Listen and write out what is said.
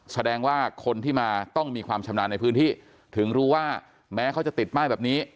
แสดงว่าคนที่มาต้องมีความชำนาญในพื้นที่ถึงรู้ว่าแม้เขาจะติดป้ายแบบนี้